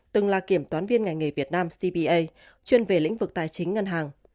từng là kiểm toán viên ngành nghề việt nam spa chuyên về lĩnh vực tài chính ngân hàng